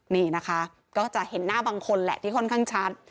นี่นะคะก็จะเห็นหน้าบางคนแหละที่ค่อนข้างชัด